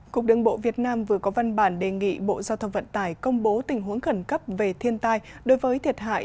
cục đường bộ việt nam vừa có văn bản đề nghị bộ giao thông vận tải công bố tình huống khẩn cấp về thiên tai đối với thiệt hại